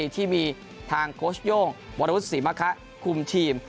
ที่มีทางโค้ชโย่งวรวุฒิศรีมะคะคุมทีม